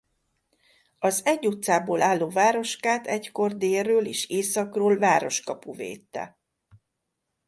Az egy utcából álló városkát egykor délről és északról városkapu védte.